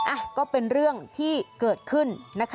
อ่ะก็เป็นเรื่องที่เกิดขึ้นนะคะ